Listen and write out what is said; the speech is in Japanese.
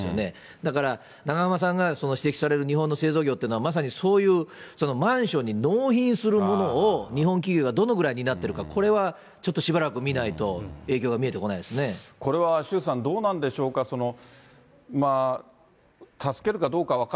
だから、永濱さんがその指摘される日本の製造業っていうのは、まさにそういうマンションに納品するものを、日本企業がどのくらい担ってるか、これはちょっとしばらく見ないと、影響が見えてこなこれは周さん、どうなんでしょうか。